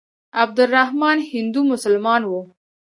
عبدالرحمن هندو مسلمان وو.